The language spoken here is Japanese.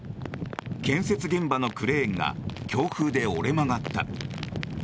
建設現場のクレーンが強風で折れ曲がった。